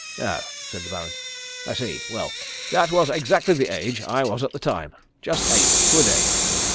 "Oh," said the Baron. "I see. Well, that was exactly the age I was at the time. Just eight to a day."